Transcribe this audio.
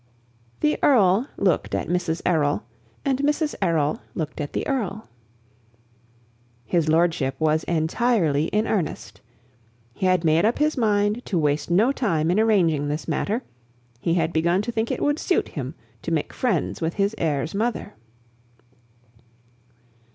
The Earl looked at Mrs. Errol, and Mrs. Errol looked at the Earl. His lordship was entirely in earnest. He had made up his mind to waste no time in arranging this matter. He had begun to think it would suit him to make friends with his heir's mother.